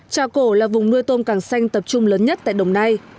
trà cổ là vùng nuôi tôm càng xanh tập trung lớn nhất tại đồng nai